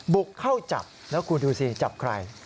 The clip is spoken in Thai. บุกเข้าจับแล้วคุณดูสิจับใคร